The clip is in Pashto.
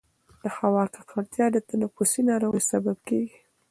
د هوا ککړتیا د تنفسي ناروغیو سبب کېږي.